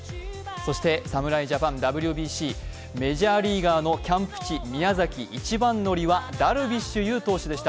そして、侍ジャパン、ＷＢＣ、メジャーリーガーのキャンプ地・宮崎一番乗りはダルビッシュ投手でした。